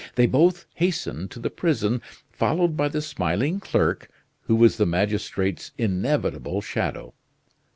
They both hastened to the prison, followed by the smiling clerk, who was the magistrate's inevitable shadow.